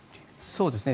そうですね。